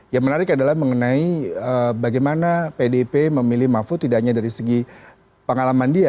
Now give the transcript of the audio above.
yang menarik adalah mengenai bagaimana pdip memilih mahfud tidak hanya dari segi pengalaman dia